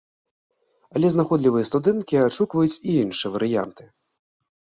Але знаходлівыя студэнткі адшукваюць і іншыя варыянты.